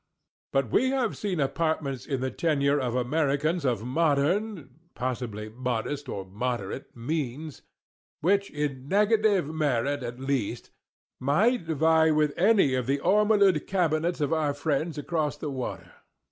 _But we have seen apartments in the tenure of Americans of moderns [possibly "modest" or "moderate"] means, which, in negative merit at least, might vie with any of the _or molu'd _cabinets of our friends across the water.